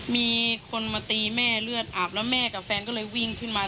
มีคนมาตีแม่เลือดอาบแล้วแม่กับแฟนก็เลยวิ่งขึ้นมา